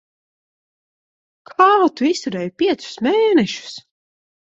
Kā tu izturēji piecus mēnešus?